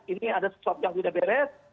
ini ada sesuatu yang tidak beres